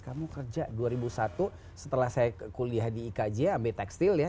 kamu kerja dua ribu satu setelah saya kuliah di ikj ambil tekstil ya